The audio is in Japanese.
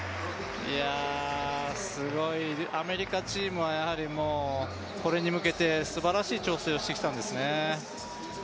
アメリカチームはやはり、これに向けてすばらしい調整をしてきたんですね。